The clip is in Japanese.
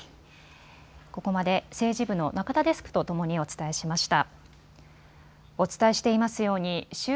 ここまで政治部の中田デスクとともにお伝えしました。